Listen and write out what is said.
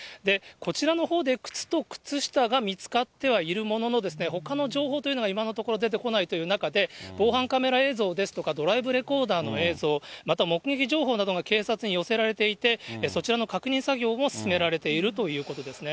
こちらのほうで靴と靴下が見つかってはいるものの、ほかの情報というのが、今のところ出てこないという中で、防犯カメラ映像ですとか、ドライブレコーダーの映像、また目撃情報などが警察に寄せられていて、そちらの確認作業も進められているということですね。